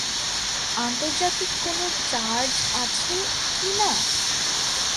আন্তর্জাতিক কোনো চার্জ আছে কি না?